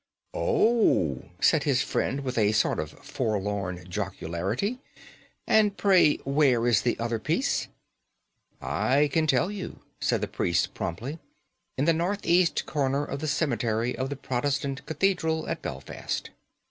"Oh!" said his friend, with a sort of forlorn jocularity; "and pray where is the other piece?" "I can tell you," said the priest promptly. "In the northeast corner of the cemetery of the Protestant Cathedral at Belfast."